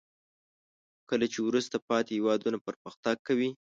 کله چې وروسته پاتې هیوادونه پرمختګ کوي.